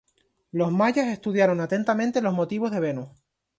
Los mayas estudiaron atentamente los movimientos de Venus.